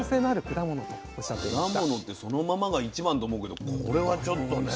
果物ってそのままが一番と思うけどこれはちょっとね。